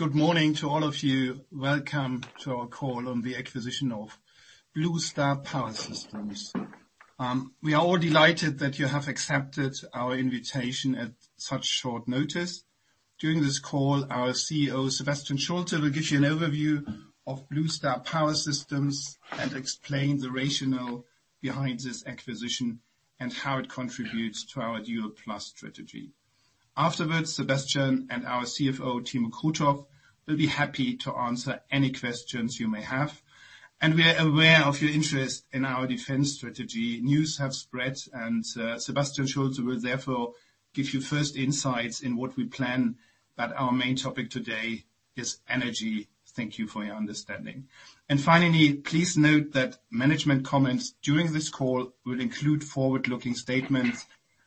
Good morning to all of you. Welcome to our call on the acquisition of Blue Star Power Systems. We are all delighted that you have accepted our invitation at such short notice. During this call, our CEO, Sebastian Schulte, will give you an overview of Blue Star Power Systems and explain the rationale behind this acquisition and how it contributes to our DualPlus strategy. Afterwards, Sebastian and our CFO, Timo Krutoff, will be happy to answer any questions you may have. We are aware of your interest in our defense strategy. News have spread, and Sebastian Schulte will therefore give you first insights in what we plan. Our main topic today is energy. Thank you for your understanding. Finally, please note that management comments during this call will include forward-looking statements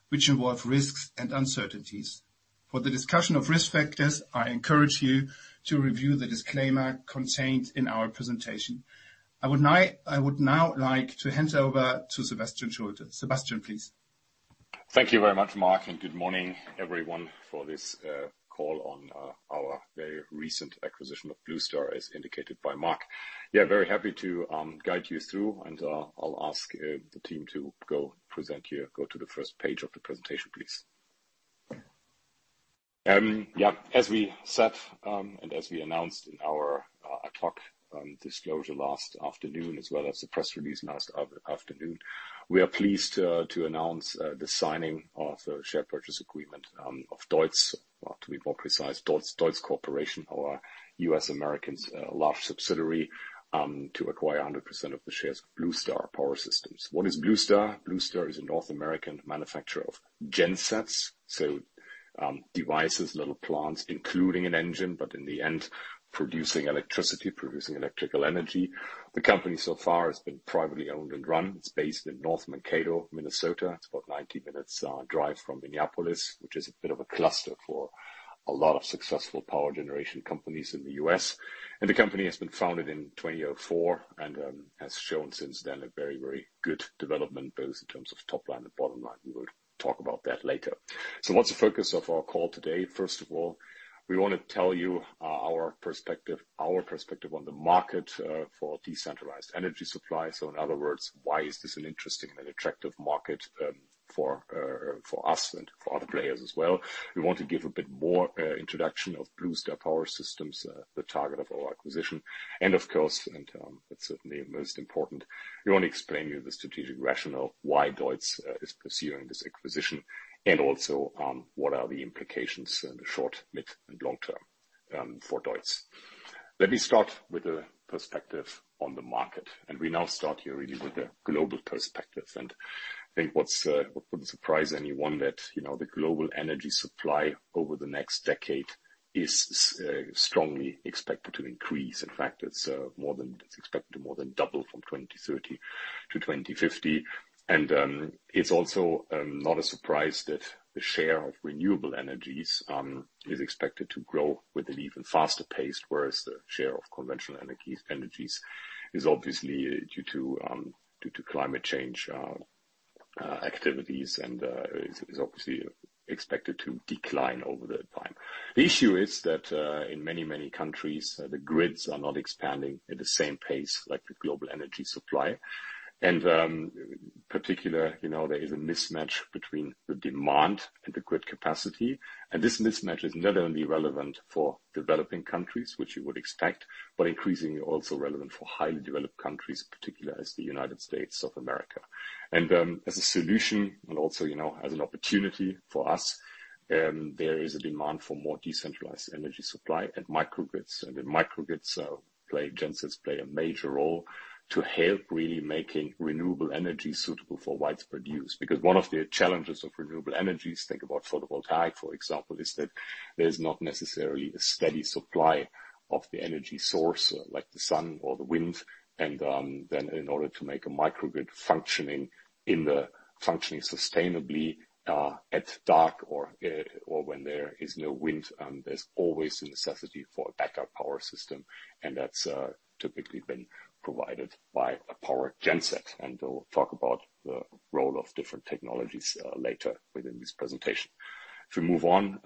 which involve risks and uncertainties. For the discussion of risk factors, I encourage you to review the disclaimer contained in our presentation. I would now like to hand over to Sebastian Schulte. Sebastian, please. Thank you very much, Mark, and good morning, everyone, for this call on our very recent acquisition of Blue Star, as indicated by Mark. Yeah, very happy to guide you through, and I'll ask the team to go present here. Go to the first page of the presentation, please. Yeah, as we said and as we announced in our ad hoc disclosure last afternoon, as well as the press release last afternoon, we are pleased to announce the signing of the share purchase agreement of DEUTZ, to be more precise, DEUTZ Corporation, our US-American large subsidiary, to acquire 100% of the shares of Blue Star Power Systems. What is Blue Star? Blue Star is a North American manufacturer of gensets, so devices, little plants, including an engine, but in the end, producing electricity, producing electrical energy. The company so far has been privately owned and run. It's based in North Mankato, Minnesota. It's about 90 minutes' drive from Minneapolis, which is a bit of a cluster for a lot of successful power generation companies in the U.S. The company has been founded in 2004 and has shown since then a very, very good development, both in terms of top line and bottom line. We will talk about that later. What's the focus of our call today? First of all, we want to tell you our perspective on the market for decentralized energy supply. In other words, why is this an interesting and attractive market for us and for other players as well? We want to give a bit more introduction of Blue Star Power Systems, the target of our acquisition. Of course, and that's certainly most important, we want to explain to you the strategic rationale why DEUTZ is pursuing this acquisition and also what are the implications in the short, mid, and long term for DEUTZ. Let me start with a perspective on the market. We now start here really with the global perspective. I think what wouldn't surprise anyone is that the global energy supply over the next decade is strongly expected to increase. In fact, it's expected to more than double from 2030 to 2050. It's also not a surprise that the share of renewable energies is expected to grow at an even faster pace, whereas the share of conventional energies is obviously due to climate change activities and is obviously expected to decline over that time. The issue is that in many, many countries, the grids are not expanding at the same pace like the global energy supply. In particular, there is a mismatch between the demand and the grid capacity. This mismatch is not only relevant for developing countries, which you would expect, but increasingly also relevant for highly developed countries, particularly the United States of America. As a solution and also as an opportunity for us, there is a demand for more decentralized energy supply and microgrids. The microgrids and gensets play a major role to help really make renewable energy suitable for widespread use. Because one of the challenges of renewable energies, think about photovoltaic, for example, is that there is not necessarily a steady supply of the energy source like the sun or the wind. In order to make a microgrid functioning sustainably at dark or when there is no wind, there is always the necessity for a backup power system. That is typically been provided by a power genset. We will talk about the role of different technologies later within this presentation. If we move on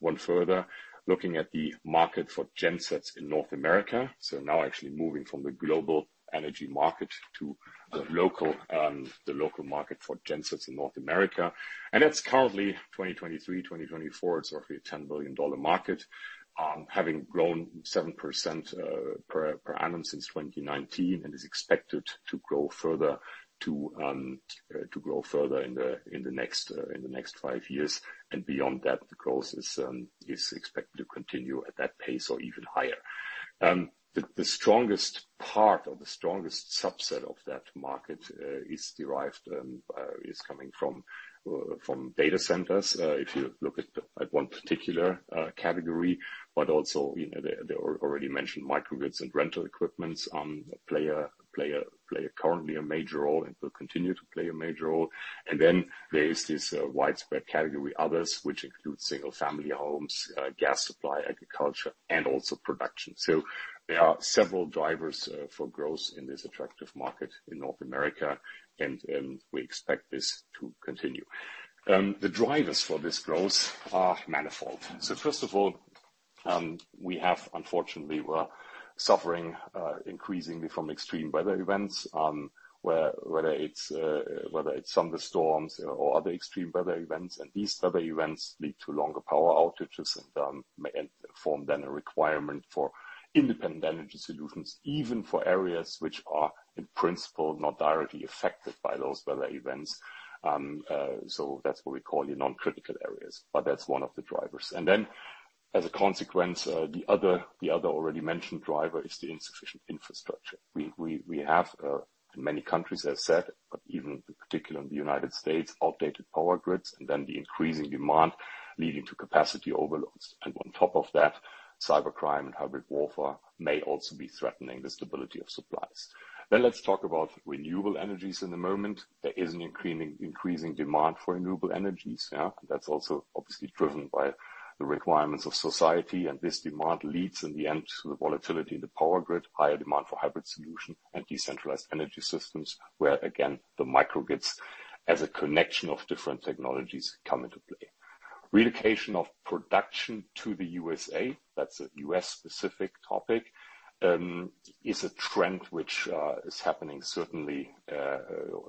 one further, looking at the market for gensets in North America. Now actually moving from the global energy market to the local market for gensets in North America. That is currently 2023, 2024, it is roughly a $10 billion market, having grown 7% per annum since 2019 and is expected to grow further in the next five years. Beyond that, the growth is expected to continue at that pace or even higher. The strongest part or the strongest subset of that market is derived, is coming from data centers. If you look at one particular category, but also the already mentioned microgrids and rental equipment, play currently a major role and will continue to play a major role. There is this widespread category others, which include single-family homes, gas supply, agriculture, and also production. There are several drivers for growth in this attractive market in North America, and we expect this to continue. The drivers for this growth are manifold. First of all, we have unfortunately suffering increasingly from extreme weather events, whether it is thunderstorms or other extreme weather events. These weather events lead to longer power outages and form then a requirement for independent energy solutions, even for areas which are in principle not directly affected by those weather events. That is what we call your non-critical areas. That is one of the drivers. As a consequence, the other already mentioned driver is the insufficient infrastructure. We have, in many countries, as I said, but even particularly in the United States, outdated power grids and the increasing demand leading to capacity overloads. On top of that, cybercrime and hybrid warfare may also be threatening the stability of supplies. Let's talk about renewable energies in a moment. There is an increasing demand for renewable energies. That's also obviously driven by the requirements of society. This demand leads in the end to the volatility in the power grid, higher demand for hybrid solutions and decentralized energy systems, where again, the microgrids as a connection of different technologies come into play. Relocation of production to the USA, that's a U.S.-specific topic, is a trend which is happening certainly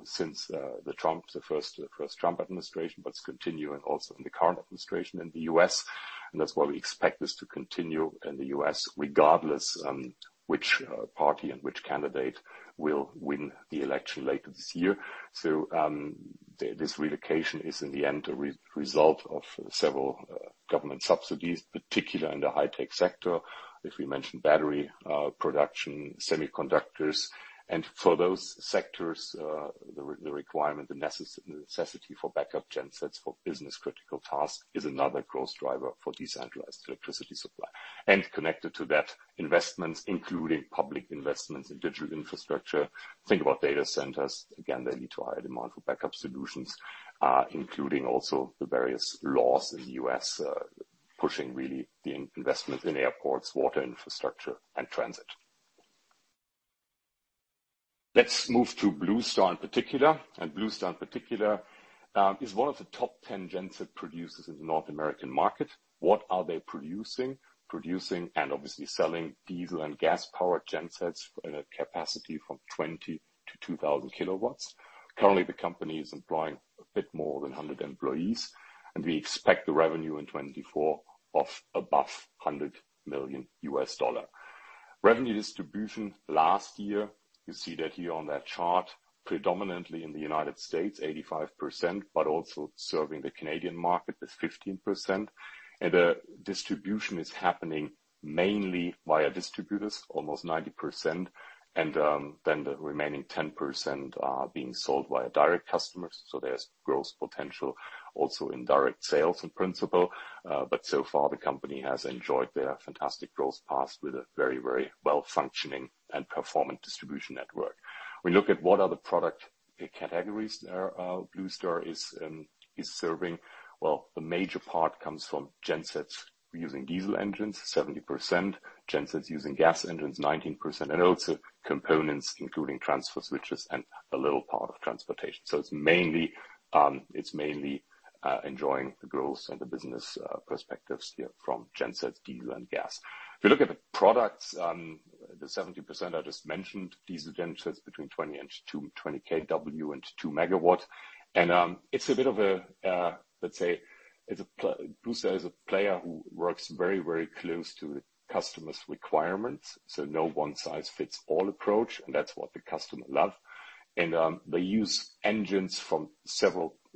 since the first Trump administration, but it's continuing also in the current administration in the U.S. That's why we expect this to continue in the U.S., regardless which party and which candidate will win the election later this year. This relocation is in the end a result of several government subsidies, particularly in the high-tech sector, as we mentioned, battery production, semiconductors. For those sectors, the requirement, the necessity for backup gensets for business-critical tasks is another growth driver for decentralized electricity supply. Connected to that, investments, including public investments in digital infrastructure. Think about data centers. Again, they lead to higher demand for backup solutions, including also the various laws in the U.S. pushing really the investment in airports, water infrastructure, and transit. Let's move to Blue Star in particular. Blue Star in particular is one of the top 10 genset producers in the North American market. What are they producing? Producing and obviously selling diesel and gas-powered gensets with a capacity from 20 to 2,000 kilowatts. Currently, the company is employing a bit more than 100 employees, and we expect the revenue in 2024 of above $100 million. Revenue distribution last year, you see that here on that chart, predominantly in the United States, 85%, but also serving the Canadian market with 15%. The distribution is happening mainly via distributors, almost 90%, and then the remaining 10% being sold via direct customers. There is growth potential also in direct sales in principle. So far, the company has enjoyed their fantastic growth path with a very, very well-functioning and performant distribution network. We look at what are the product categories that Blue Star Power Systems is serving. A major part comes from gensets using diesel engines, 70%, gensets using gas engines, 19%, and also components, including transfer switches and a little part of transportation. It is mainly enjoying the growth and the business perspectives here from gensets, diesel, and gas. If you look at the products, the 70% I just mentioned, diesel gensets between 20 and 20 kW and 2 megawatts. It is a bit of a, let's say, Blue Star Power Systems is a player who works very, very close to the customer's requirements. No one-size-fits-all approach, and that's what the customer loves. They use engines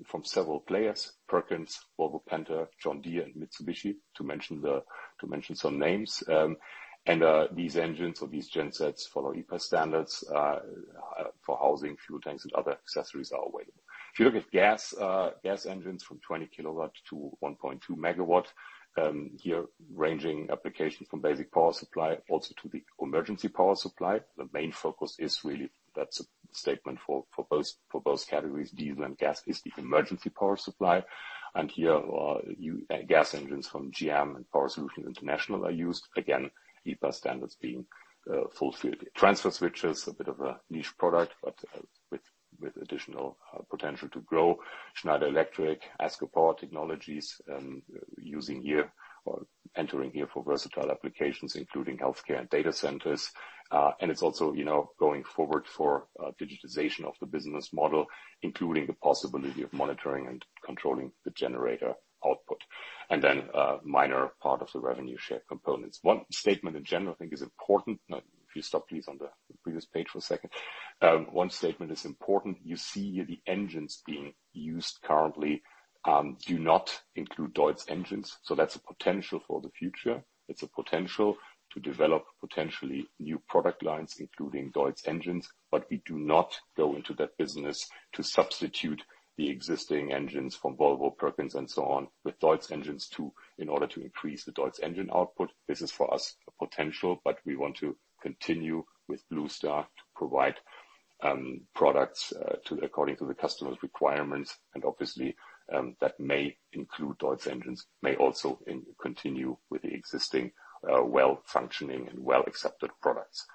from several players: Perkins, Volvo Penta, John Deere, and Mitsubishi, to mention some names. These engines or these gensets follow EPA standards for housing, fuel tanks, and other accessories are available. If you look at gas engines from 20 kilowatts to 1.2 megawatts, here ranging applications from basic power supply also to the emergency power supply. The main focus is really, that's a statement for both categories, diesel and gas, is the emergency power supply. Here gas engines from GM and Power Solutions International are used, again, EPA standards being fulfilled. Transfer switches, a bit of a niche product, but with additional potential to grow. Schneider Electric, ASCO Power Technologies using here or entering here for versatile applications, including healthcare and data centers. It is also going forward for digitization of the business model, including the possibility of monitoring and controlling the generator output. Then a minor part of the revenue share components. One statement in general I think is important. If you stop, please, on the previous page for a second. One statement is important. You see here the engines being used currently do not include DEUTZ engines. That is a potential for the future. It is a potential to develop potentially new product lines, including DEUTZ engines. We do not go into that business to substitute the existing engines from Volvo, Perkins, and so on with DEUTZ engines in order to increase the DEUTZ engine output. This is for us a potential, but we want to continue with Blue Star to provide products according to the customer's requirements. Obviously, that may include DEUTZ engines, may also continue with the existing well-functioning and well-accepted products.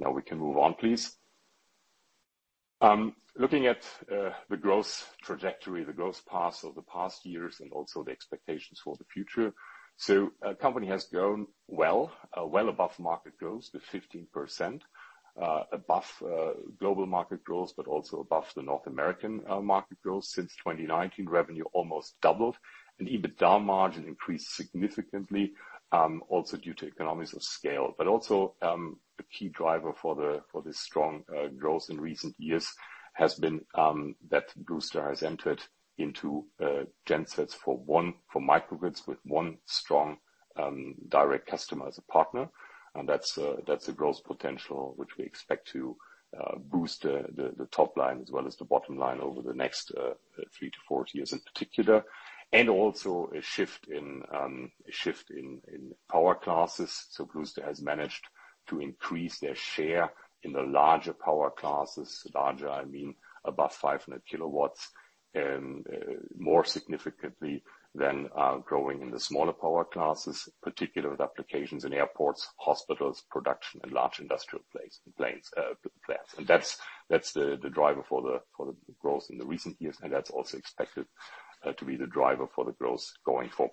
Now we can move on, please. Looking at the growth trajectory, the growth path of the past years and also the expectations for the future. The company has grown well, well above market growth, the 15% above global market growth, but also above the North American market growth. Since 2019, revenue almost doubled. Even the down margin increased significantly, also due to economies of scale. A key driver for this strong growth in recent years has been that Blue Star has entered into gensets for microgrids with one strong direct customer as a partner. That is a growth potential which we expect to boost the top line as well as the bottom line over the next three to four years in particular. There is also a shift in power classes. Blue Star has managed to increase their share in the larger power classes, larger, I mean, above 500 kilowatts, more significantly than growing in the smaller power classes, particularly with applications in airports, hospitals, production, and large industrial plants. That is the driver for the growth in the recent years. That is also expected to be the driver for the growth going forward.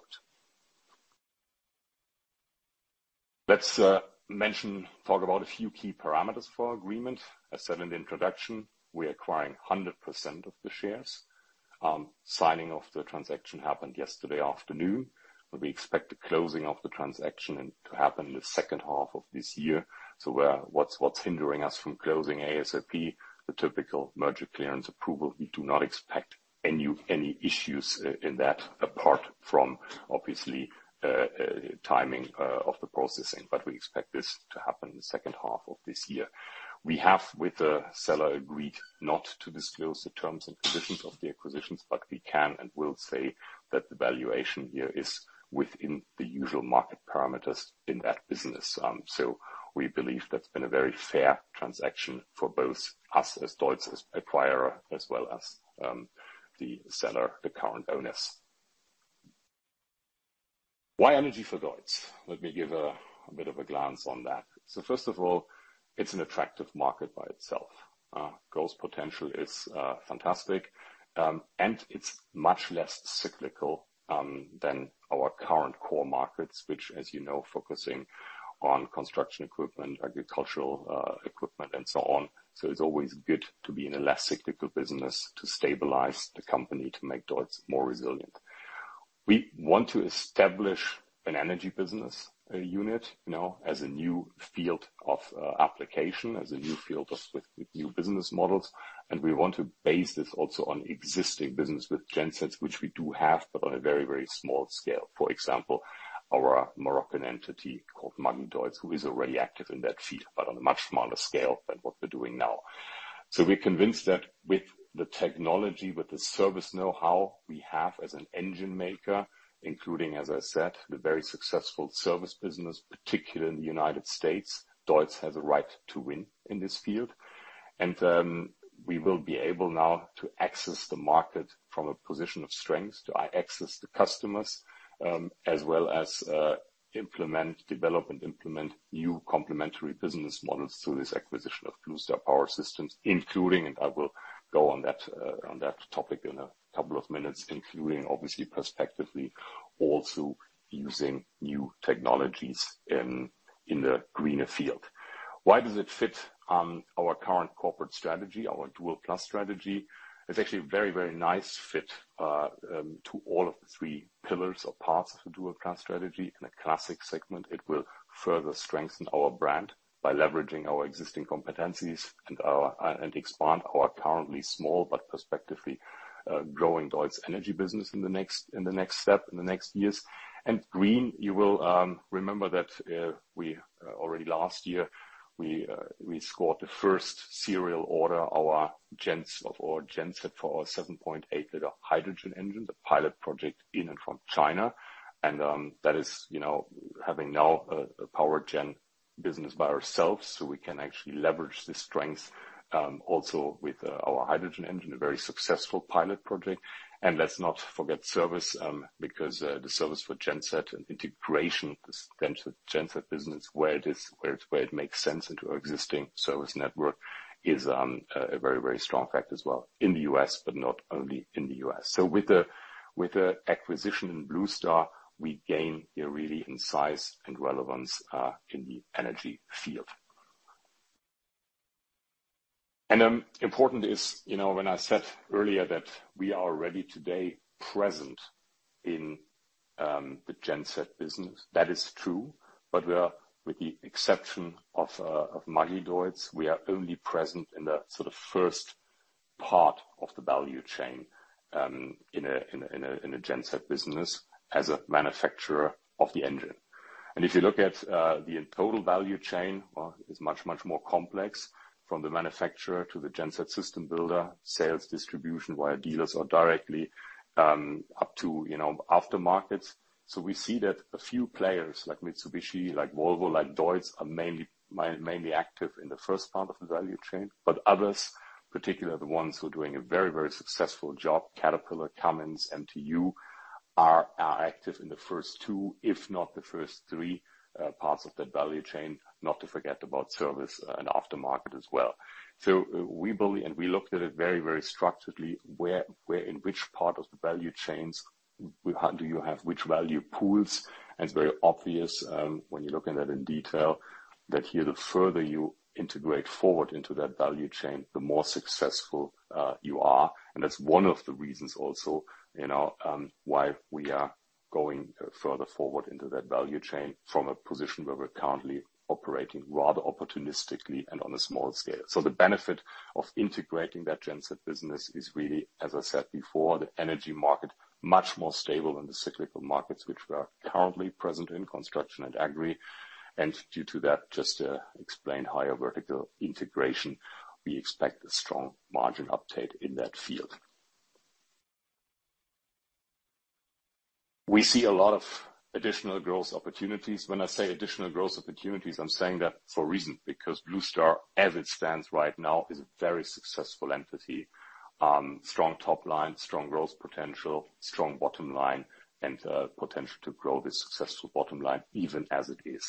Let's mention, talk about a few key parameters for our agreement. As said in the introduction, we are acquiring 100% of the shares. Signing of the transaction happened yesterday afternoon. We expect the closing of the transaction to happen in the second half of this year. What's hindering us from closing ASAP is the typical merger clearance approval. We do not expect any issues in that apart from obviously timing of the processing. We expect this to happen in the second half of this year. We have with the seller agreed not to disclose the terms and conditions of the acquisition, but we can and will say that the valuation here is within the usual market parameters in that business. We believe that's been a very fair transaction for both us as DEUTZ acquirer as well as the seller, the current owners. Why energy for DEUTZ? Let me give a bit of a glance on that. First of all, it's an attractive market by itself. Growth potential is fantastic. It's much less cyclical than our current core markets, which, as you know, focusing on construction equipment, agricultural equipment, and so on. It's always good to be in a less cyclical business to stabilize the company, to make DEUTZ more resilient. We want to establish an energy business unit as a new field of application, as a new field with new business models. We want to base this also on existing business with gensets, which we do have, but on a very, very small scale. For example, our Moroccan entity called Magideutz, who is already active in that field, but on a much smaller scale than what we're doing now. We are convinced that with the technology, with the service know-how we have as an engine maker, including, as I said, the very successful service business, particularly in the United States, DEUTZ has a right to win in this field. We will be able now to access the market from a position of strength to access the customers, as well as develop and implement new complementary business models through this acquisition of Blue Star Power Systems, including, and I will go on that topic in a couple of minutes, including obviously perspectively also using new technologies in the greener field. Why does it fit our current corporate strategy, our DualPlus strategy? It is actually a very, very nice fit to all of the three pillars or parts of the DualPlus strategy. In a classic segment, it will further strengthen our brand by leveraging our existing competencies and expand our currently small but perspectively growing DEUTZ energy business in the next step, in the next years. Green, you will remember that already last year, we scored the first serial order, our genset for our 7.8-liter hydrogen engine, the pilot project in and from China. That is having now a power gen business by ourselves, so we can actually leverage the strength also with our hydrogen engine, a very successful pilot project. Let's not forget service, because the service for genset and integration, the genset business, where it makes sense into our existing service network, is a very, very strong fact as well in the U.S., but not only in the U.S. With the acquisition in Blue Star Power Systems, we gain here really in size and relevance in the energy field. Important is when I said earlier that we are already today present in the genset business. That is true. With the exception of Magideutz, we are only present in the sort of first part of the value chain in a genset business as a manufacturer of the engine. If you look at the total value chain, it is much, much more complex from the manufacturer to the genset system builder, sales distribution via dealers or directly up to aftermarkets. We see that a few players like Mitsubishi, like Volvo, like DEUTZ are mainly active in the first part of the value chain. Others, particularly the ones who are doing a very, very successful job, Caterpillar, Cummins, MTU, are active in the first two, if not the first three parts of that value chain, not to forget about service and aftermarket as well. We believe, and we looked at it very, very structuredly, in which part of the value chains do you have which value pools. It is very obvious when you look at that in detail that here the further you integrate forward into that value chain, the more successful you are. That is one of the reasons also why we are going further forward into that value chain from a position where we are currently operating rather opportunistically and on a small scale. The benefit of integrating that genset business is really, as I said before, the energy market is much more stable than the cyclical markets, which we are currently present in construction and agri. Due to that, just to explain higher vertical integration, we expect a strong margin uptake in that field. We see a lot of additional growth opportunities. When I say additional growth opportunities, I'm saying that for a reason, because Blue Star Power Systems, as it stands right now, is a very successful entity, strong top line, strong growth potential, strong bottom line, and potential to grow this successful bottom line even as it is.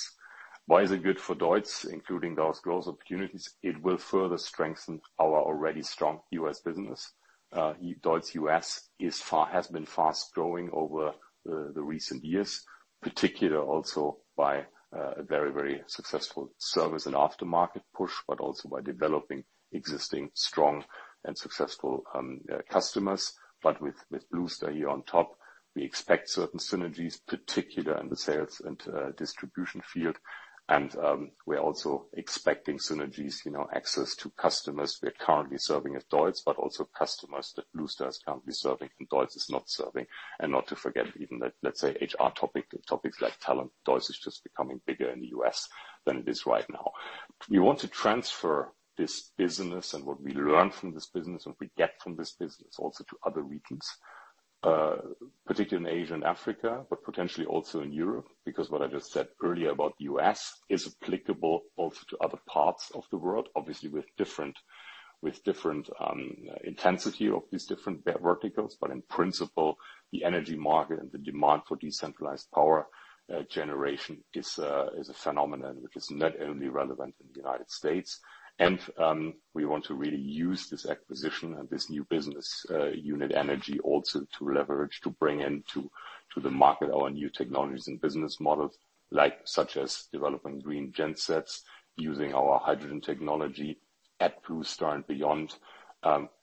Why is it good for DEUTZ, including those growth opportunities? It will further strengthen our already strong U.S business. DEUTZ U.S. has been fast growing over the recent years, particularly also by a very, very successful service and aftermarket push, but also by developing existing strong and successful customers. With Blue Star Power Systems here on top, we expect certain synergies, particularly in the sales and distribution field. We are also expecting synergies, access to customers we're currently serving as DEUTZ, but also customers that Blue Star Power Systems is currently serving and DEUTZ is not serving. Not to forget even, let's say, HR topics like talent. DEUTZ is just becoming bigger in the U.S. than it is right now. We want to transfer this business and what we learn from this business and what we get from this business also to other regions, particularly in Asia and Africa, but potentially also in Europe, because what I just said earlier about the U.S. is applicable also to other parts of the world, obviously with different intensity of these different verticals. In principle, the energy market and the demand for decentralized power generation is a phenomenon which is not only relevant in the United States. We want to really use this acquisition and this new business unit energy also to leverage, to bring into the market our new technologies and business models, such as developing green gensets, using our hydrogen technology at Blue Star and beyond.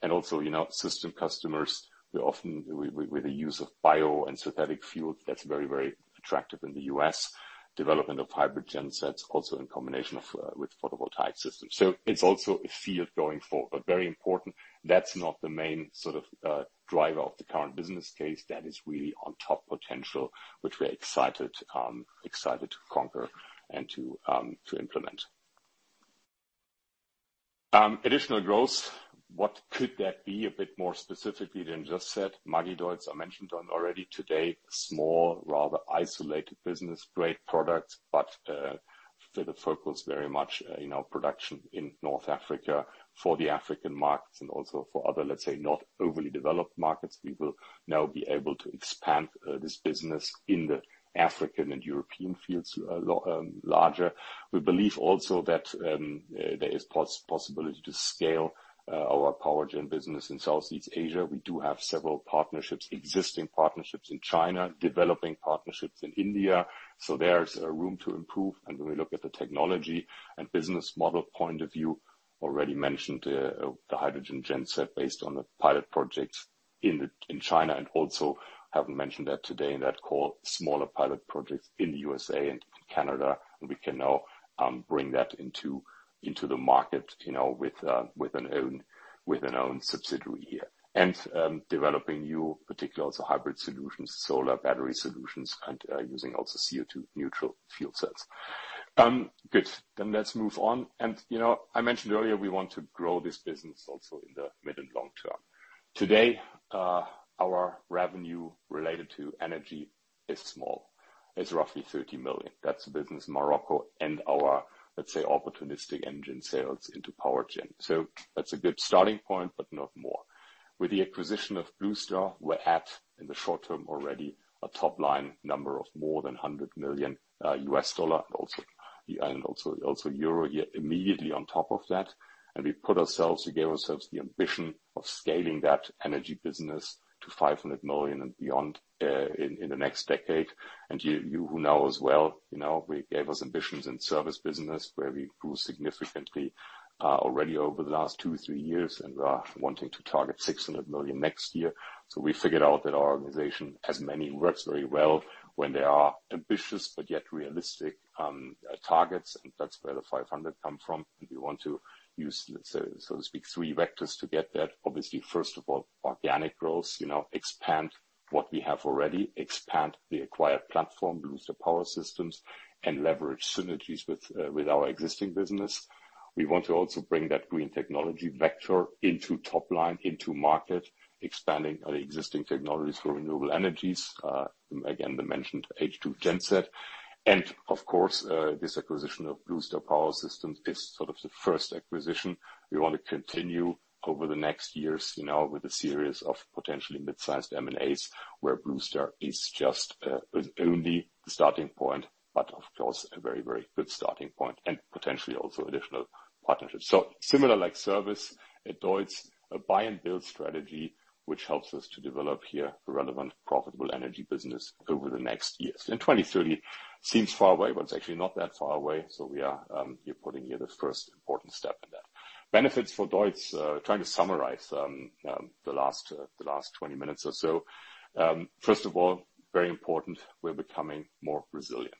Also, system customers, with the use of bio and synthetic fuels, that's very, very attractive in the U.S., development of hybrid gensets also in combination with photovoltaic systems. It is also a field going forward, but very important, that's not the main sort of driver of the current business case. That is really on top potential, which we're excited to conquer and to implement. Additional growth, what could that be a bit more specifically than just said? Magideutz, I mentioned already today, small, rather isolated business, great product, but for the focus very much production in North Africa for the African markets and also for other, let's say, not overly developed markets. We will now be able to expand this business in the African and European fields larger. We believe also that there is possibility to scale our power gen business in Southeast Asia. We do have several partnerships, existing partnerships in China, developing partnerships in India. There is room to improve. When we look at the technology and business model point of view, already mentioned the hydrogen genset based on the pilot projects in China and also have not mentioned that today in that call, smaller pilot projects in the U.S.A. and Canada. We can now bring that into the market with an own subsidiary here and developing new, particularly also hybrid solutions, solar battery solutions, and using also CO2-neutral fuel cells. Good. Let us move on. I mentioned earlier we want to grow this business also in the mid and long term. Today, our revenue related to energy is small. It is roughly 30 million. That is the business in Morocco and our, let us say, opportunistic engine sales into power gen. That is a good starting point, but not more. With the acquisition of Blue Star Power Systems, we're at, in the short term already, a top line number of more than $100 million and also EUR 100 million here immediately on top of that. We gave ourselves the ambition of scaling that energy business to 500 million and beyond in the next decade. You know as well, we gave us ambitions in service business where we grew significantly already over the last two, three years, and we are wanting to target 600 million next year. We figured out that our organization as many works very well when there are ambitious but yet realistic targets. That's where the 500 million come from. We want to use, so to speak, three vectors to get that. Obviously, first of all, organic growth, expand what we have already, expand the acquired platform, Blue Star Power Systems, and leverage synergies with our existing business. We want to also bring that green technology vector into top line, into market, expanding the existing technologies for renewable energies, again, the mentioned H2 genset. Of course, this acquisition of Blue Star Power Systems is sort of the first acquisition. We want to continue over the next years with a series of potentially mid-sized M&As where Blue Star is just only the starting point, but of course, a very, very good starting point and potentially also additional partnerships. Similar like service at DEUTZ, a buy-and-build strategy, which helps us to develop here a relevant, profitable energy business over the next years. 2030 seems far away, but it's actually not that far away. We are putting here the first important step in that. Benefits for DEUTZ, trying to summarize the last 20 minutes or so. First of all, very important, we're becoming more resilient.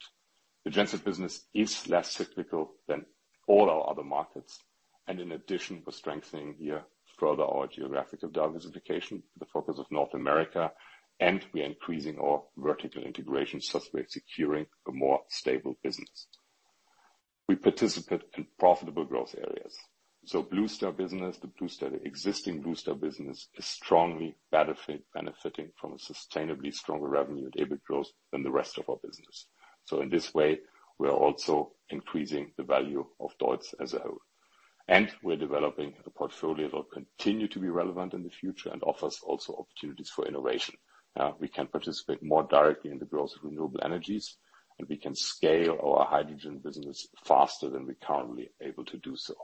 The genset business is less cyclical than all our other markets. In addition, we're strengthening here further our geographical diversification, the focus of North America, and we are increasing our vertical integration software, securing a more stable business. We participate in profitable growth areas. Blue Star business, the existing Blue Star business is strongly benefiting from a sustainably stronger revenue and EBIT growth than the rest of our business. In this way, we're also increasing the value of DEUTZ as a whole. We're developing a portfolio that will continue to be relevant in the future and offers also opportunities for innovation. We can participate more directly in the growth of renewable energies, and we can scale our hydrogen business faster than we're currently able to do so.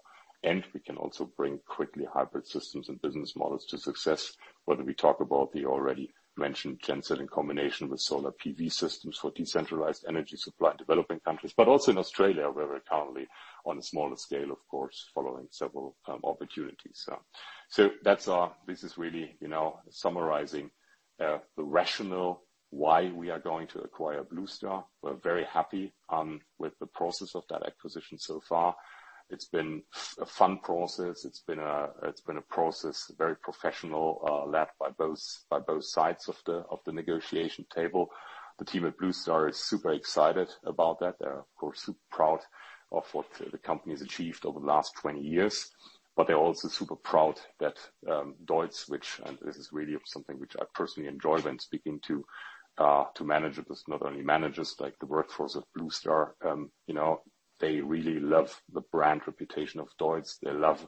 We can also bring quickly hybrid systems and business models to success, whether we talk about the already mentioned genset in combination with solar PV systems for decentralized energy supply in developing countries, but also in Australia, where we're currently on a smaller scale, of course, following several opportunities. This is really summarizing the rationale why we are going to acquire Blue Star Power Systems. We're very happy with the process of that acquisition so far. It's been a fun process. It's been a process very professional, led by both sides of the negotiation table. The team at Blue Star Power Systems is super excited about that. They're, of course, super proud of what the company has achieved over the last 20 years. They are also super proud that DEUTZ, which, and this is really something which I personally enjoy when speaking to managers, not only managers, like the workforce of Blue Star Power Systems, they really love the brand reputation of DEUTZ. They love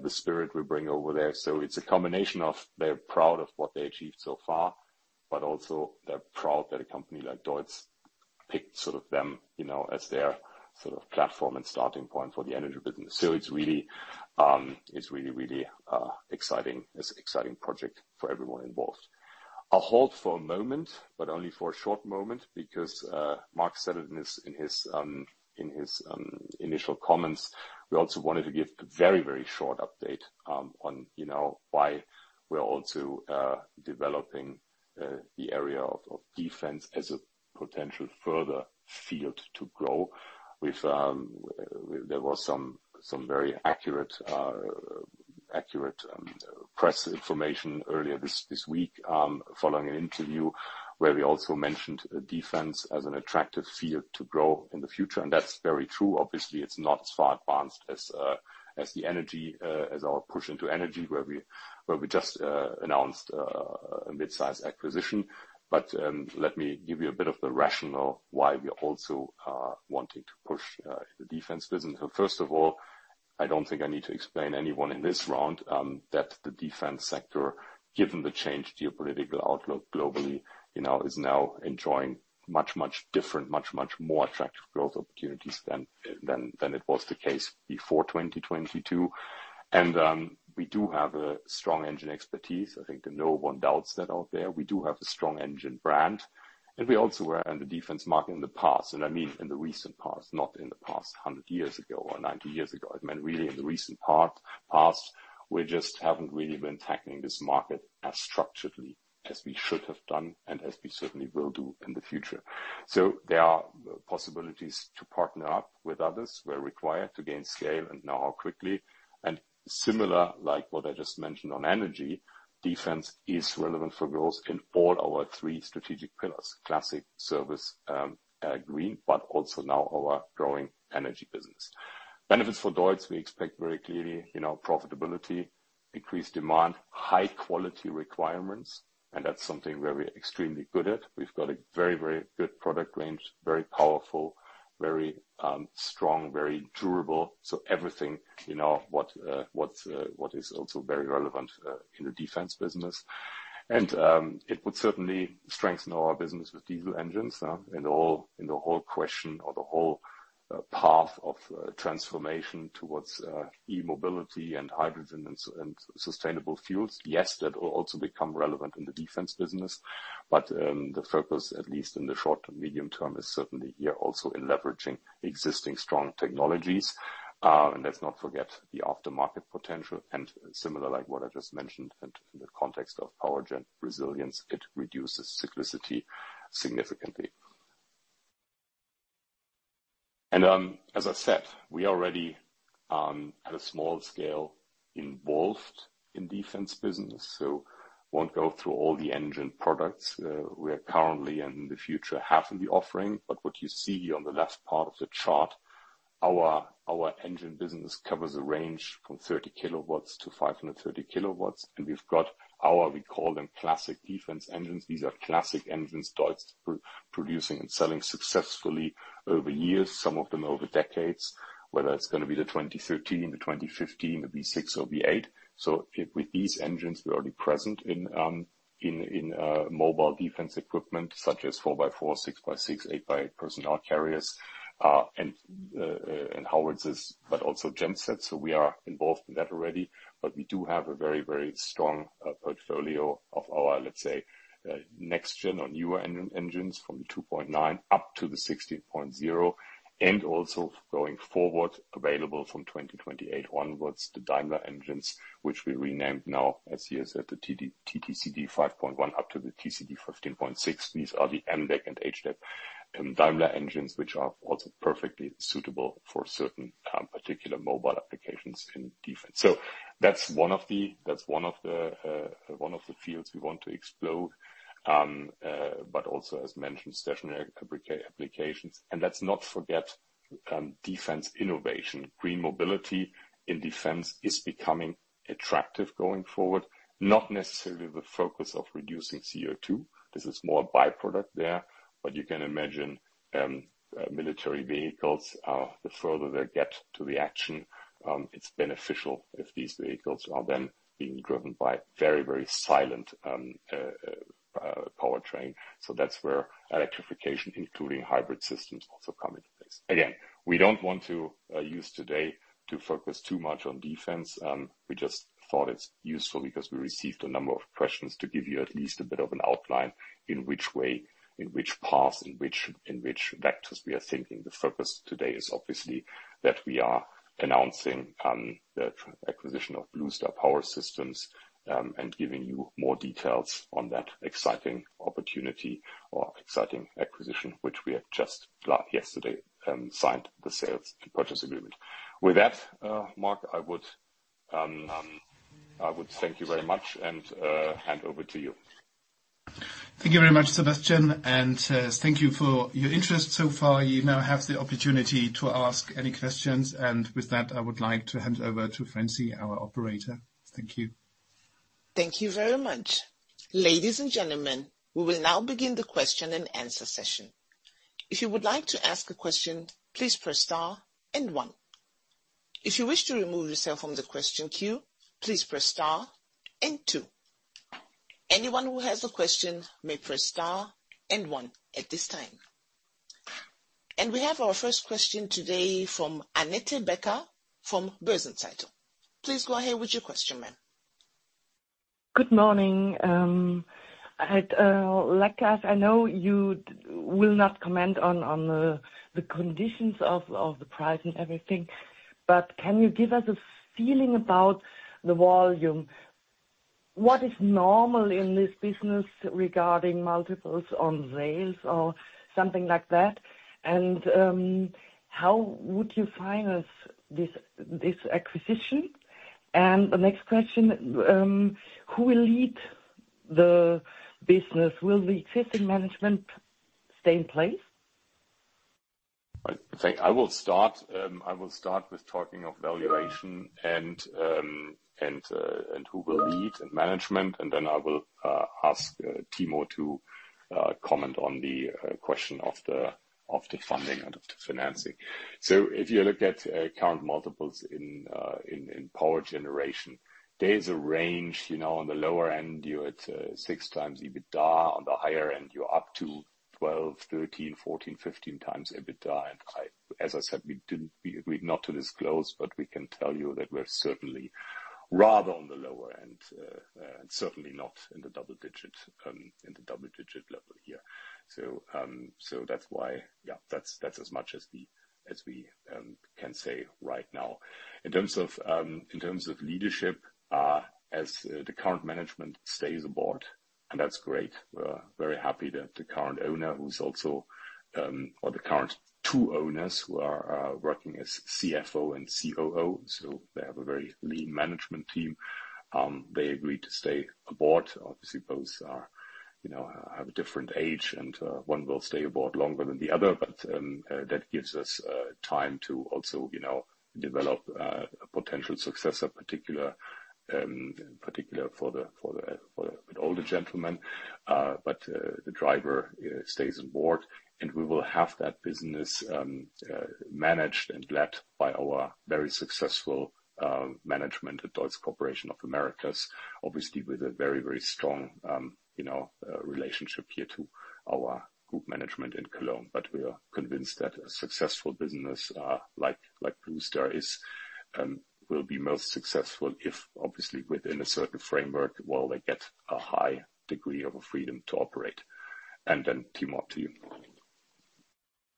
the spirit we bring over there. It is a combination of they are proud of what they achieved so far, but also they are proud that a company like DEUTZ picked sort of them as their sort of platform and starting point for the energy business. It is really, really exciting, an exciting project for everyone involved. I will hold for a moment, but only for a short moment, because Mark said it in his initial comments. We also wanted to give a very, very short update on why we are also developing the area of defense as a potential further field to grow. There was some very accurate press information earlier this week following an interview where we also mentioned defense as an attractive field to grow in the future. That is very true. Obviously, it is not as far advanced as our push into energy where we just announced a mid-sized acquisition. Let me give you a bit of the rationale why we are also wanting to push the defense business. First of all, I do not think I need to explain anyone in this round that the defense sector, given the changed geopolitical outlook globally, is now enjoying much, much different, much, much more attractive growth opportunities than it was the case before 2022. We do have a strong engine expertise. I think no one doubts that out there. We do have a strong engine brand. We also were in the defense market in the past. I mean in the recent past, not in the past 100 years ago or 90 years ago. I mean really in the recent past, we just haven't really been tackling this market as structuredly as we should have done and as we certainly will do in the future. There are possibilities to partner up with others where required to gain scale and know how quickly. Similar, like what I just mentioned on energy, defense is relevant for growth in all our three strategic pillars, classic, service, green, but also now our growing energy business. Benefits for DEUTZ, we expect very clearly profitability, increased demand, high-quality requirements. That's something where we're extremely good at. We've got a very, very good product range, very powerful, very strong, very durable. Everything what is also very relevant in the defense business. It would certainly strengthen our business with diesel engines and the whole question or the whole path of transformation towards e-mobility and hydrogen and sustainable fuels. Yes, that will also become relevant in the defense business. The focus, at least in the short to medium term, is certainly here also in leveraging existing strong technologies. Let's not forget the aftermarket potential. Similar, like what I just mentioned, in the context of power gen resilience, it reduces cyclicity significantly. As I said, we are already at a small scale involved in defense business. I will not go through all the engine products we currently and in the future have in the offering. What you see here on the left part of the chart, our engine business covers a range from 30 kilowatts to 530 kilowatts. We have got our, we call them classic defense engines. These are classic engines DEUTZ producing and selling successfully over years, some of them over decades, whether it's going to be the 2013, the 2015, the V6 or V8. With these engines, we're already present in mobile defense equipment such as 4x4, 6x6, 8x8 personnel carriers, and how it is, but also gensets. We are involved in that already. We do have a very, very strong portfolio of our, let's say, next-gen or newer engines from 2.9 up to the 16.0. Also going forward, available from 2028 onwards, the Daimler engines, which we renamed now, as you said, the TTCD 5.1 up to the TCD 15.6. These are the MDEC and HDEC Daimler engines, which are also perfectly suitable for certain particular mobile applications in defense. That is one of the fields we want to explore, but also, as mentioned, stationary applications. Let's not forget defense innovation. Green mobility in defense is becoming attractive going forward, not necessarily the focus of reducing CO2. This is more a byproduct there. You can imagine military vehicles, the further they get to the action, it's beneficial if these vehicles are then being driven by very, very silent powertrain. That's where electrification, including hybrid systems, also come into place. Again, we don't want to use today to focus too much on defense. We just thought it's useful because we received a number of questions to give you at least a bit of an outline in which way, in which path, in which vectors we are thinking. The focus today is obviously that we are announcing the acquisition of Blue Star Power Systems and giving you more details on that exciting opportunity or exciting acquisition, which we have just yesterday signed the sales and purchase agreement. With that, Mark, I would thank you very much and hand over to you. Thank you very much, Sebastian. And thank you for your interest so far. You now have the opportunity to ask any questions. With that, I would like to hand over to Francine, our operator. Thank you. Thank you very much. Ladies and gentlemen, we will now begin the question and answer session. If you would like to ask a question, please press star and one. If you wish to remove yourself from the question queue, please press star and two. Anyone who has a question may press star and one at this time. We have our first question today from Annette Becker from Börsen-Zeitung. Please go ahead with your question, ma'am. Good morning. Like us, I know you will not comment on the conditions of the price and everything, but can you give us a feeling about the volume? What is normal in this business regarding multiples on sales or something like that? How would you finance this acquisition? The next question, who will lead the business? Will the existing management stay in place? I will start with talking of valuation and who will lead and management. I will ask Timo to comment on the question of the funding and of the financing. If you look at current multiples in power generation, there is a range on the lower end, you're at six times EBITDA. On the higher end, you're up to 12, 13, 14, 15 times EBITDA. As I said, we agreed not to disclose, but we can tell you that we're certainly rather on the lower end, certainly not in the double-digit level here. That is as much as we can say right now. In terms of leadership, the current management stays aboard, and that's great. We're very happy that the current owner, who's also, or the current two owners who are working as CFO and COO, so they have a very lean management team, they agreed to stay aboard. Obviously, both have a different age, and one will stay aboard longer than the other, but that gives us time to also develop a potential successor, particularly for the older gentleman. The driver stays aboard, and we will have that business managed and led by our very successful management at DEUTZ Corporation of Americas, obviously with a very, very strong relationship here to our group management in Cologne. We are convinced that a successful business like Blue Star Power Systems will be most successful if, obviously, within a certain framework, while they get a high degree of freedom to operate. Timo, up to you.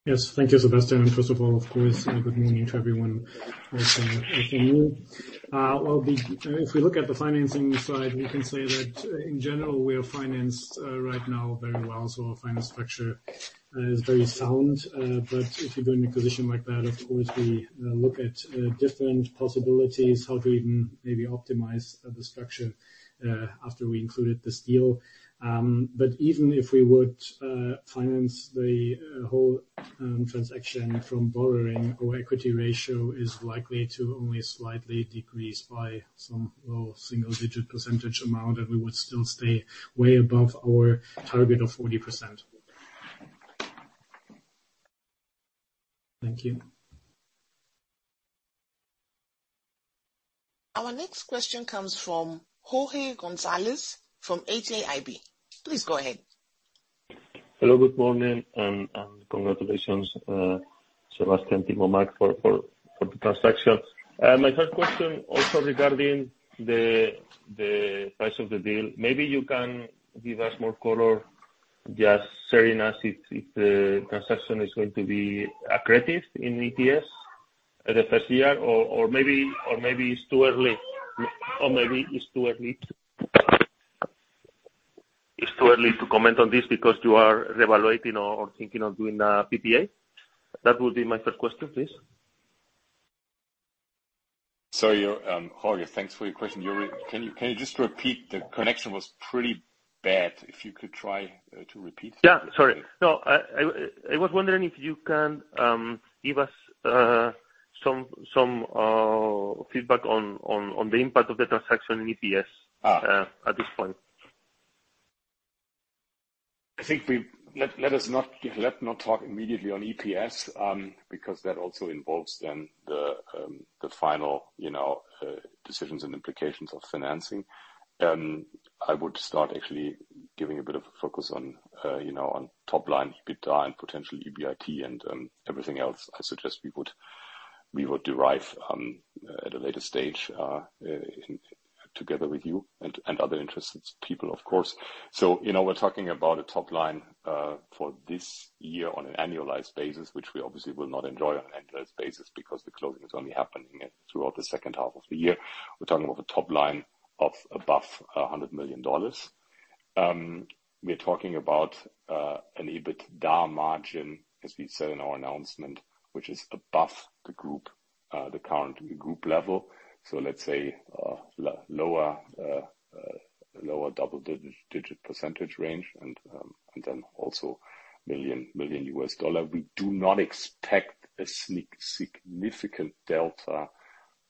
Yes, thank you, Sebastian. First of all, of course, good morning to everyone also from me. If we look at the financing side, we can say that in general, we are financed right now very well. Our finance structure is very sound. If you are doing a position like that, of course, we look at different possibilities, how to even maybe optimize the structure after we included the steel. Even if we would finance the whole transaction from borrowing, our equity ratio is likely to only slightly decrease by some low single-digit % amount, and we would still stay way above our target of 40%. Thank you. Our next question comes from Jorge Gonzalez from HAIB. Please go ahead. Hello, good morning, and congratulations, Sebastian, Timo, Mark for the transaction. My third question also regarding the price of the deal. Maybe you can give us more color, just sharing us if the transaction is going to be accredited in EPS the first year, or maybe it's too early. Or maybe it's too early. It's too early to comment on this because you are reevaluating or thinking of doing a PPA. That would be my first question, please. Sorry, Jorge, thanks for your question. Can you just repeat? The connection was pretty bad. If you could try to repeat. Yeah, sorry. No, I was wondering if you can give us some feedback on the impact of the transaction in EPS at this point. I think let us not talk immediately on EPS because that also involves then the final decisions and implications of financing. I would start actually giving a bit of a focus on top-line EBITDA and potential EBIT and everything else. I suggest we would derive at a later stage together with you and other interested people, of course. We are talking about a top-line for this year on an annualized basis, which we obviously will not enjoy on an annualized basis because the closing is only happening throughout the second half of the year. We are talking about a top-line of above $100 million. We are talking about an EBITDA margin, as we said in our announcement, which is above the group level. Let's say lower double-digit % range and then also million U.S. dollar. We do not expect a significant delta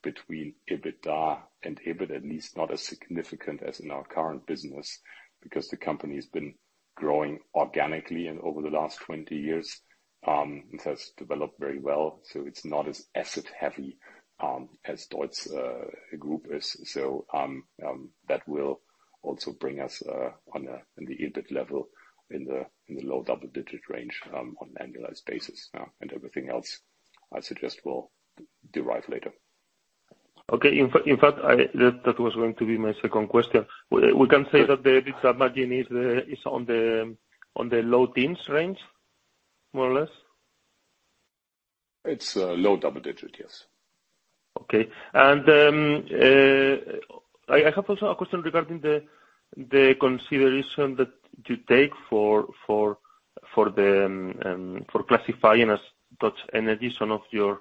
between EBITDA and EBIT, at least not as significant as in our current business because the company has been growing organically over the last 20 years and has developed very well. It is not as asset-heavy as DEUTZ Group is. That will also bring us on the EBIT level in the low double-digit range on an annualized basis. Everything else, I suggest, will derive later. Okay. In fact, that was going to be my second question. We can say that the EBITDA margin is in the low teens range, more or less? It is low double-digit, yes. Okay. I have also a question regarding the consideration that you take for classifying as DEUTZ Energy some of your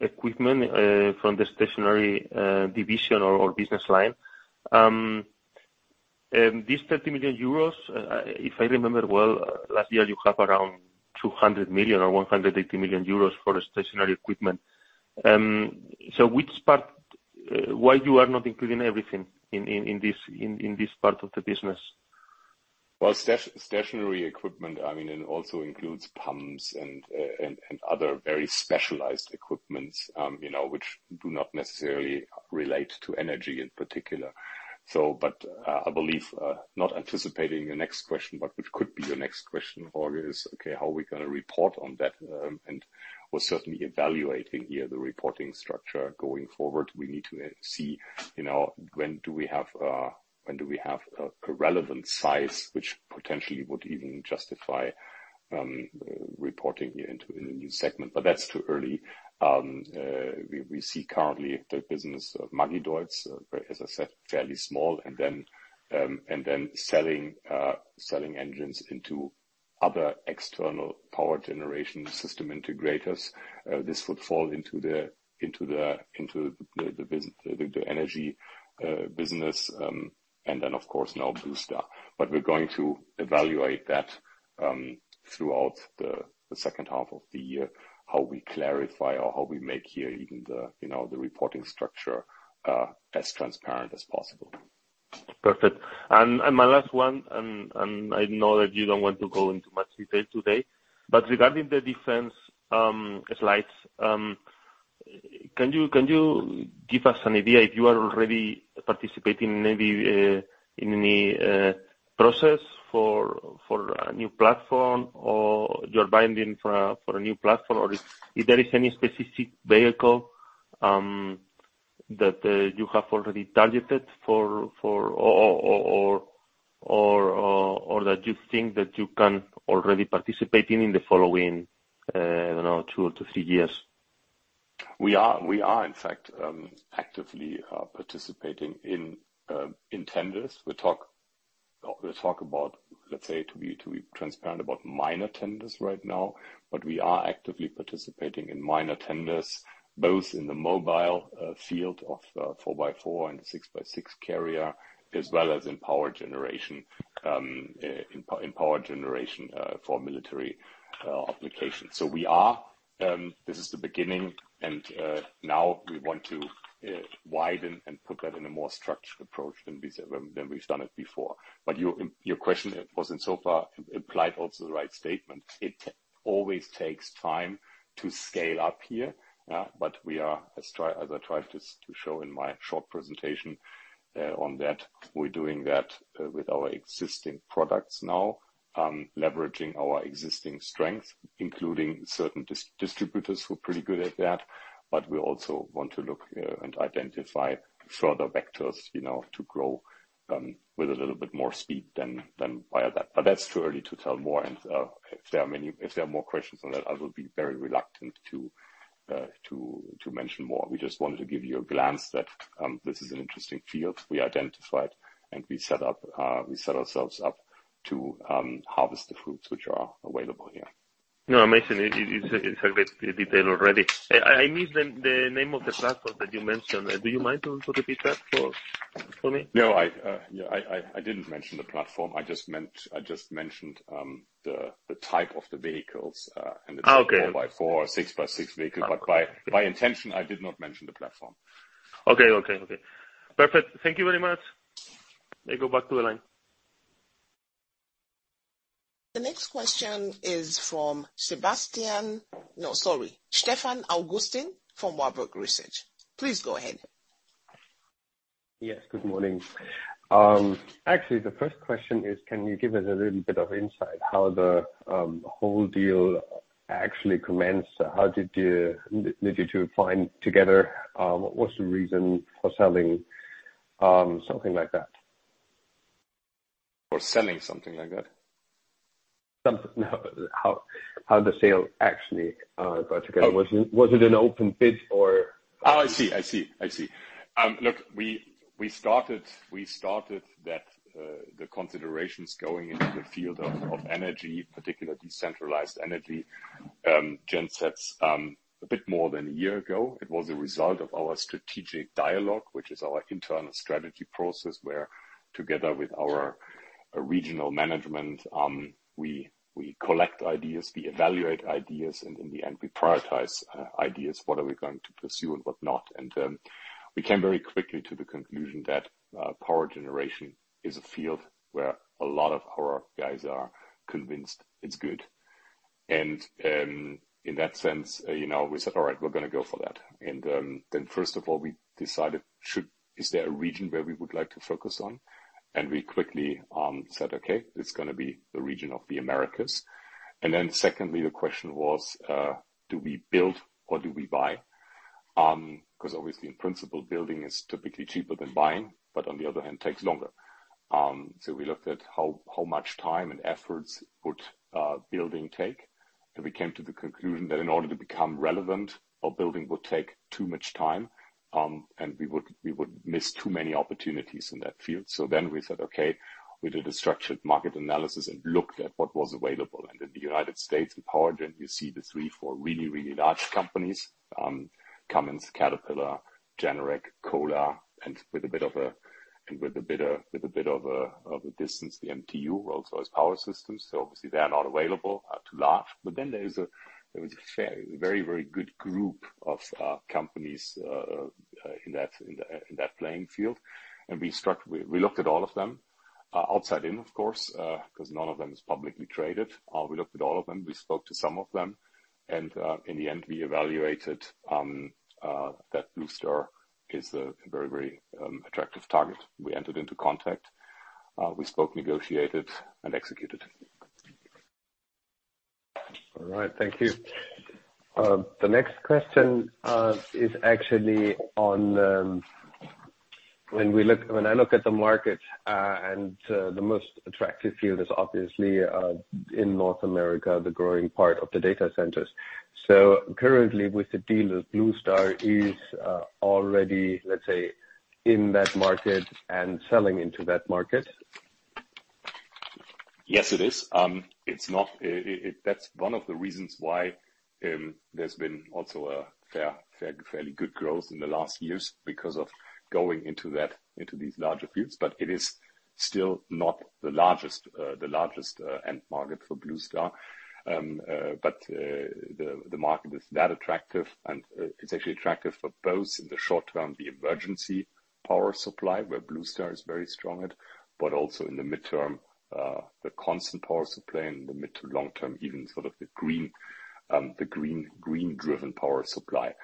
equipment from the stationary division or business line. These 30 million euros, if I remember well, last year, you have around 200 million or 180 million euros for stationary equipment. Why are you not including everything in this part of the business? I mean, stationary equipment also includes pumps and other very specialized equipment, which do not necessarily relate to energy in particular. I believe, not anticipating your next question, but which could be your next question, Jorge, is, okay, how are we going to report on that? We are certainly evaluating here the reporting structure going forward. We need to see when we have a relevant size, which potentially would even justify reporting here into a new segment. That is too early. We see currently the business of Magideutz, as I said, fairly small, and then selling engines into other external power generation system integrators. This would fall into the energy business and then, of course, now Blue Star. We are going to evaluate that throughout the second half of the year, how we clarify or how we make here even the reporting structure as transparent as possible. Perfect. My last one, and I know that you do not want to go into much detail today, but regarding the defense slides, can you give us an idea if you are already participating in any process for a new platform or you are buying in for a new platform, or if there is any specific vehicle that you have already targeted for or that you think that you can already participate in in the following, I do not know, two to three years? We are, in fact, actively participating in tenders. We talk about, let's say, to be transparent, about minor tenders right now, but we are actively participating in minor tenders, both in the mobile field of 4x4 and 6x6 carrier, as well as in power generation for military applications. This is the beginning, and now we want to widen and put that in a more structured approach than we've done it before. Your question was in so far implied also the right statement. It always takes time to scale up here, as I tried to show in my short presentation on that, we're doing that with our existing products now, leveraging our existing strength, including certain distributors who are pretty good at that. We also want to look and identify further vectors to grow with a little bit more speed than via that. That's too early to tell more. If there are more questions on that, I will be very reluctant to mention more. We just wanted to give you a glance that this is an interesting field. We identified and we set ourselves up to harvest the fruits which are available here. No, I mentioned it in great detail already. I missed the name of the platform that you mentioned. Do you mind to repeat that for me? No, I did not mention the platform. I just mentioned the type of the vehicles and the 4x4 or 6x6 vehicle. By intention, I did not mention the platform. Okay, okay, okay. Perfect. Thank you very much. I go back to the line. The next question is from Sebastian, no, sorry, Stefan Augustin from Warburg Research. Please go ahead. Yes, good morning. Actually, the first question is, can you give us a little bit of insight how the whole deal actually commenced? How did you two find together? What was the reason for selling something like that? How the sale actually got together. Was it an open bid or? I see. I see. I see. Look, we started the considerations going into the field of energy, particularly decentralized energy gensets, a bit more than a year ago. It was a result of our strategic dialogue, which is our internal strategy process where, together with our regional management, we collect ideas, we evaluate ideas, and in the end, we prioritize ideas, what are we going to pursue and what not. We came very quickly to the conclusion that power generation is a field where a lot of our guys are convinced it's good. In that sense, we said, "All right, we're going to go for that." First of all, we decided, is there a region where we would like to focus on? We quickly said, "Okay, it's going to be the region of the Americas." Secondly, the question was, do we build or do we buy? Because obviously, in principle, building is typically cheaper than buying, but on the other hand, takes longer. We looked at how much time and efforts building would take. We came to the conclusion that in order to become relevant, building would take too much time, and we would miss too many opportunities in that field. We said, "Okay, we did a structured market analysis and looked at what was available." In the United States and power gen, you see the three, four really, really large companies: Cummins, Caterpillar, Generac, Kohler, and with a bit of a distance, the MTU, Rolls-Royce Power Systems. Obviously, they are not available, too large. There is a very, very good group of companies in that playing field. We looked at all of them, outside in, of course, because none of them is publicly traded. We looked at all of them. We spoke to some of them. In the end, we evaluated that Blue Star Power Systems is a very, very attractive target. We entered into contact. We spoke, negotiated, and executed. All right. Thank you. The next question is actually on when I look at the market, and the most attractive field is obviously in North America, the growing part of the data centers. Currently, with the deal, Blue Star is already, let's say, in that market and selling into that market? Yes, it is. That's one of the reasons why there's been also a fairly good growth in the last years because of going into these larger fields. It is still not the largest end market for Blue Star. The market is that attractive, and it's actually attractive for both in the short term, the emergency power supply, where Blue Star is very strong at, but also in the midterm, the constant power supply, and in the mid to long term, even sort of the green-driven power supply.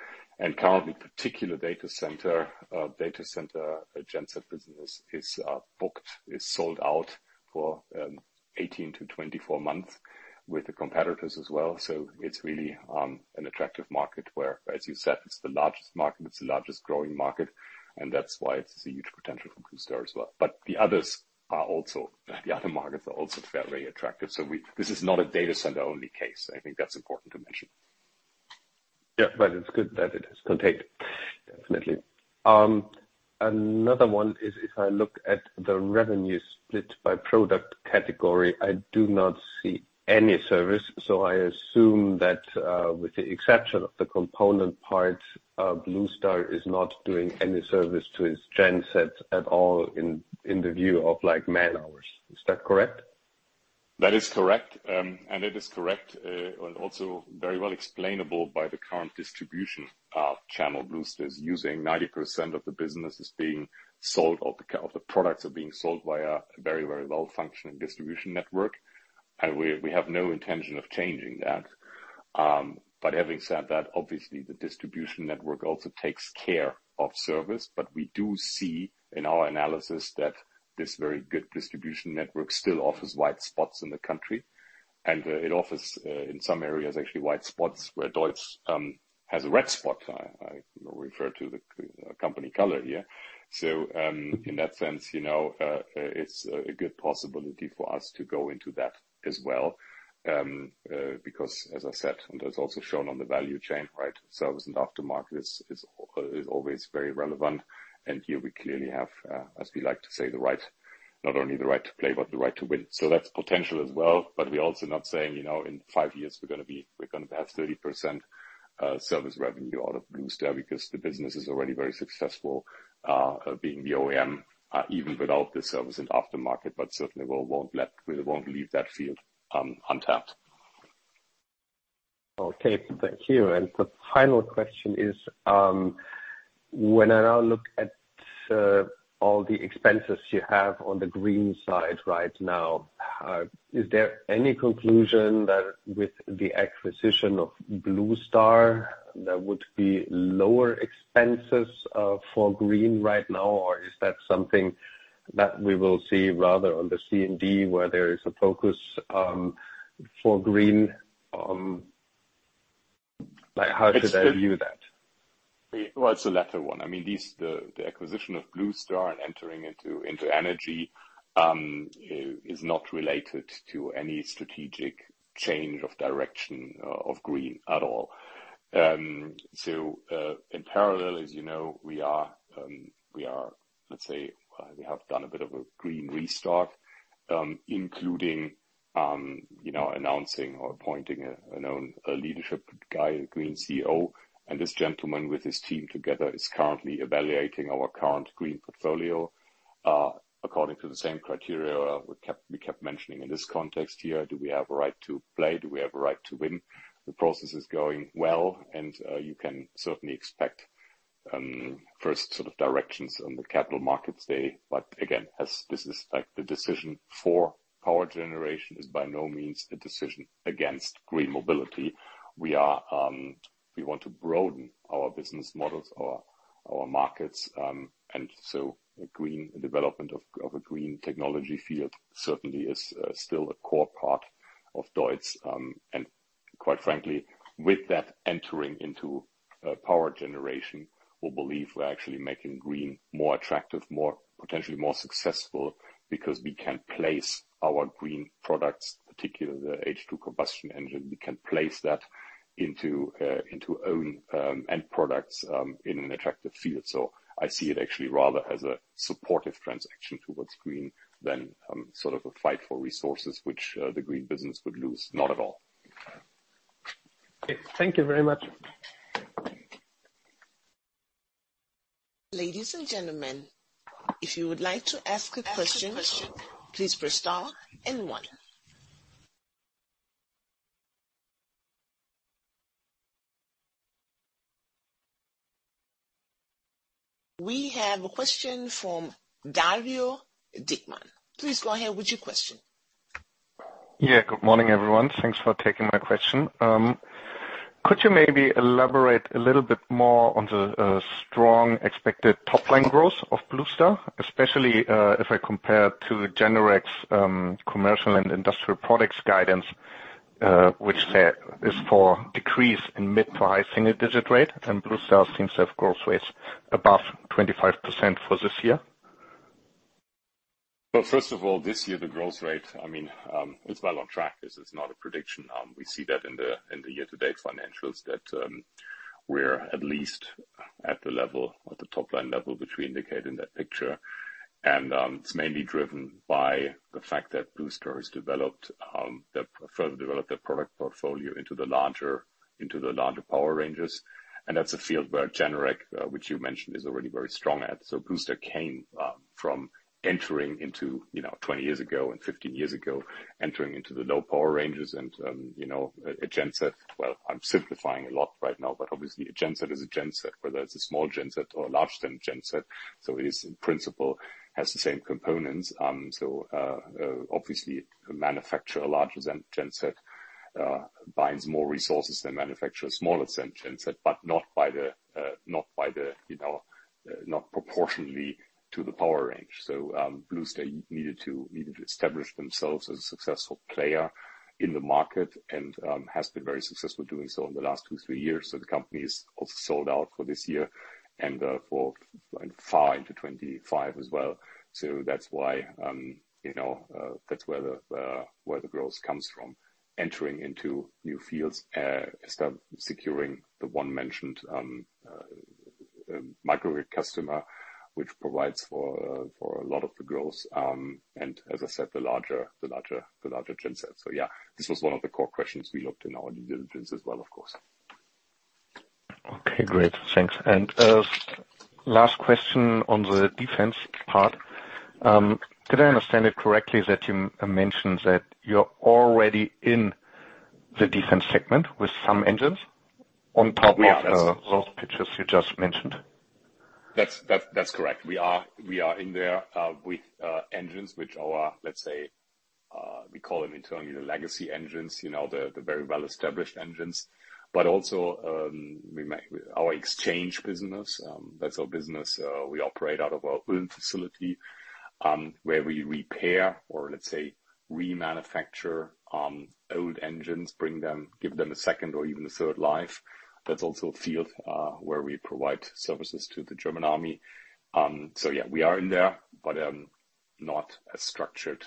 Currently, particular data center genset business is booked, is sold out for 18-24 months with the competitors as well. It is really an attractive market where, as you said, it is the largest market. It is the largest growing market, and that is why it is a huge potential for Blue Star as well. The others are also, the other markets are also very attractive. This is not a data center-only case. I think that is important to mention. Yeah, but it is good that it is contained. Definitely. Another one is, if I look at the revenue split by product category, I do not see any service. I assume that with the exception of the component parts, Blue Star is not doing any service to its gensets at all in the view of man hours. Is that correct? That is correct. It is correct and also very well explainable by the current distribution channel. Blue Star Power Systems is using 90% of the business is being sold, of the products are being sold via a very, very well-functioning distribution network. We have no intention of changing that. Having said that, obviously, the distribution network also takes care of service. We do see in our analysis that this very good distribution network still offers white spots in the country. It offers, in some areas, actually white spots where DEUTZ has a red spot. I refer to the company color here. In that sense, it's a good possibility for us to go into that as well because, as I said, and it's also shown on the value chain, right? Service and aftermarket is always very relevant. Here we clearly have, as we like to say, the right, not only the right to play, but the right to win. That is potential as well. We are also not saying in five years we are going to have 30% service revenue out of Blue Star Power Systems because the business is already very successful, being the OEM, even without the service. Aftermarket, but certainly we will not leave that field untapped. Okay. Thank you. The final question is, when I now look at all the expenses you have on the green side right now, is there any conclusion that with the acquisition of Blue Star Power Systems, there would be lower expenses for green right now, or is that something that we will see rather on the C&D where there is a focus for green? How should I view that? It is a later one. I mean, the acquisition of Blue Star Power Systems and entering into energy is not related to any strategic change of direction of green at all. In parallel, as you know, we are, let's say, we have done a bit of a green restart, including announcing or appointing a leadership guy, a green CEO. This gentleman with his team together is currently evaluating our current green portfolio according to the same criteria we kept mentioning in this context here. Do we have a right to play? Do we have a right to win? The process is going well, and you can certainly expect first sort of directions on the capital markets day. This decision for power generation is by no means a decision against green mobility. We want to broaden our business models, our markets. The development of a green technology field certainly is still a core part of DEUTZ. Quite frankly, with that entering into power generation, we believe we're actually making green more attractive, potentially more successful because we can place our green products, particularly the H2 combustion engine, we can place that into own end products in an attractive field. I see it actually rather as a supportive transaction towards green than sort of a fight for resources, which the green business would lose. Not at all. Thank you very much. Ladies and gentlemen, if you would like to ask a question, please press star and one. We have a question from Dario Dickmann. Please go ahead with your question. Yeah. Good morning, everyone. Thanks for taking my question. Could you maybe elaborate a little bit more on the strong expected top-line growth of Blue Star, especially if I compare it to Generac's commercial and industrial products guidance, which is for decrease in mid to high single-digit rate? Blue Star seems to have growth rates above 25% for this year. First of all, this year, the growth rate, I mean, it's well on track. This is not a prediction. We see that in the year-to-date financials that we're at least at the level, at the top-line level which we indicate in that picture. It's mainly driven by the fact that Blue Star has developed their further developed their product portfolio into the larger power ranges. That's a field where Generac, which you mentioned, is already very strong at. Blue Star came from entering into 20 years ago and 15 years ago, entering into the low power ranges. A genset, I'm simplifying a lot right now, but obviously, a genset is a genset, whether it's a small genset or a large genset. It, in principle, has the same components. Obviously, manufacturing a larger genset binds more resources than manufacturing a smaller genset, but not proportionally to the power range. Blue Star Power Systems needed to establish themselves as a successful player in the market and has been very successful doing so in the last two, three years. The company is also sold out for this year and far into 2025 as well. That is where the growth comes from, entering into new fields, securing the one mentioned microgrid customer, which provides for a lot of the growth. As I said, the larger genset. Yeah, this was one of the core questions we looked in our due diligence as well, of course. Okay. Great. Thanks. Last question on the defense part. Did I understand it correctly that you mentioned that you're already in the defense segment with some engines on top of those pictures you just mentioned? That's correct. We are in there with engines which are, let's say, we call them internally the legacy engines, the very well-established engines. Also our exchange business, that's our business. We operate out of our own facility where we repair or, let's say, remanufacture old engines, give them a second or even a third life. That's also a field where we provide services to the German army. Yeah, we are in there, but not as structured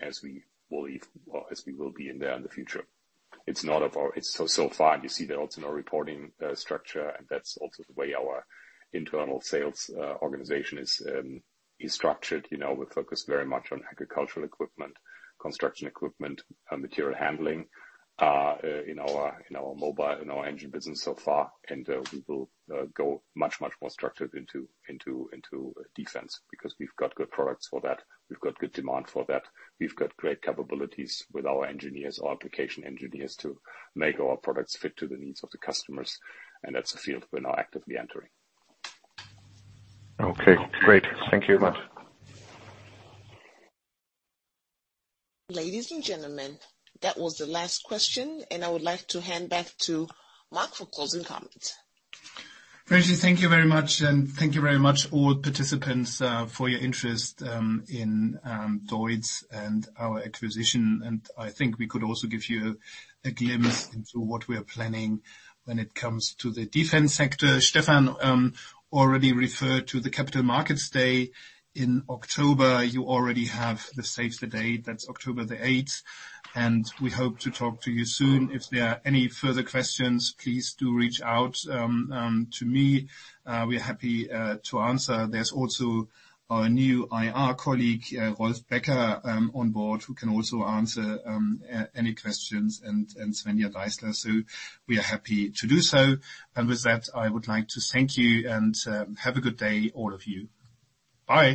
as we believe or as we will be in there in the future. It's not of our so far, you see there also no reporting structure, and that's also the way our internal sales organization is structured. We focus very much on agricultural equipment, construction equipment, material handling in our mobile, in our engine business so far. We will go much, much more structured into defense because we've got good products for that. We've got good demand for that. We've got great capabilities with our engineers, our application engineers, to make our products fit to the needs of the customers. That's a field we're now actively entering. Okay. Great. Thank you very much. Ladies and gentlemen, that was the last question, and I would like to hand back to Mark for closing comments. Regi, thank you very much, and thank you very much, all participants, for your interest in DEUTZ and our acquisition. I think we could also give you a glimpse into what we are planning when it comes to the defense sector. Stefan already referred to the capital markets day in October. You already have the safety date. That is October the 8th. We hope to talk to you soon. If there are any further questions, please do reach out to me. We are happy to answer. There is also our new IR colleague, Rolf Becker, on board who can also answer any questions, and Svenja Deisler. We are happy to do so. With that, I would like to thank you and have a good day, all of you. Bye.